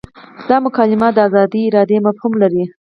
دا مکالمه د ازادې ارادې مفهوم لري.